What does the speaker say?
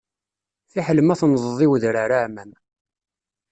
Fiḥel ma tennḍeḍ i udrar aɛmam.